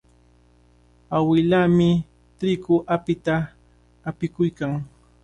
Awilaami triqu apita apikuykan.